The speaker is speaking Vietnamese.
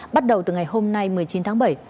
bắt đầu từ ngày hôm nay một mươi chín tháng bảy